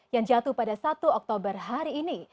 yang jatuh pada satu oktober hari ini